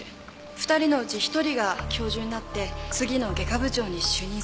２人のうち１人が教授になって次の外科部長に就任する。